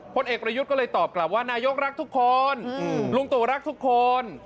ผลเอกประยุทธ์ก็เลยตอบกลับว่านายกรักทุกคนลุงตู่รักทุกคน